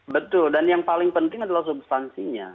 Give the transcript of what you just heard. betul dan yang paling penting adalah substansinya